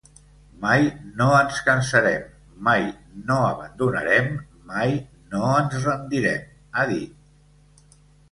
Mai no ens cansarem, mai no abandonarem, mai no ens rendirem, ha di.